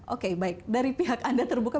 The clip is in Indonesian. oke baik dari pihak anda terbuka